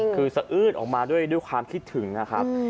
คือสะอื้นออกมาด้วยความคิดถึงนะครับ